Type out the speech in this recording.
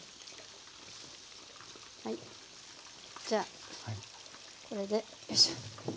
じゃあこれでよいしょ。